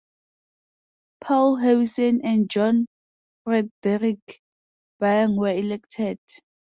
Paul Harrison and John Frederick Byng were elected.